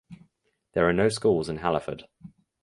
There are no schools in Halliford.